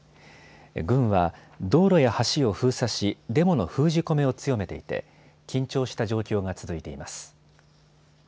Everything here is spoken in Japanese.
軍は道路や橋を封鎖しデモの封じ込めを強めていて緊張した状況が続いています。